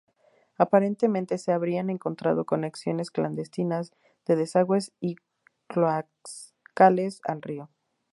Aparentemente se habrían encontrado conexiones clandestinas de desagües y cloacales al río.